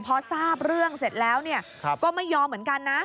พอทราบเรื่องเสร็จแล้วก็ไม่ยอมเหมือนกันนะ